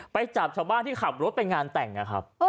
ไปจับชาวบ้านที่ขับรถไปงานแต่งนะครับ